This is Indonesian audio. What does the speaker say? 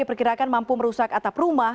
diperkirakan mampu merusak atap rumah